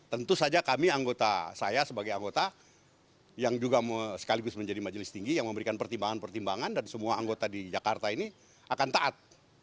tentu saja kami anggota saya sebagai anggota yang juga sekaligus menjadi majelis tinggi yang memberikan pertimbangan pertimbangan dan semua anggota di jakarta ini akan taat